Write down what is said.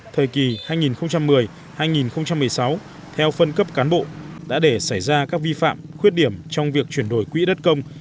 thời kỳ hai nghìn một mươi hai nghìn một mươi sáu theo phân cấp cán bộ đã để xảy ra các vi phạm khuyết điểm trong việc chuyển đổi quỹ đất công